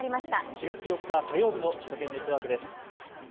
４月４日火曜日の首都圏ネットワークです。